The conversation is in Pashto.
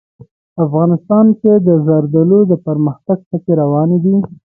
افغانستان کې د زردالو د پرمختګ هڅې روانې دي.